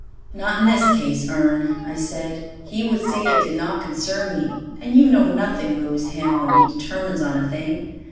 "Not in this case, Ern," I said. "He would say it did not concern me, and you know nothing moves him when he determines on a thing.